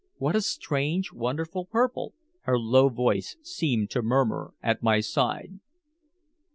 "What a strange wonderful purple," her low voice seemed to murmur at my side.